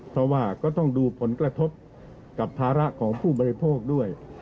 เพราะว่าก็ต้องดูผลกระทบกับภาระของผู้บริโภคด้วย